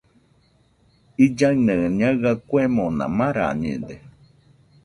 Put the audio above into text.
Illaɨnɨaɨ ñaɨa kuemona marañede.